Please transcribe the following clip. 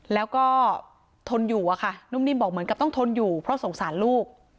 แล้วก็ทนอยู่อะค่ะนุ่มนิ่มบอกเหมือนกับต้องทนอยู่เพราะสงสารลูก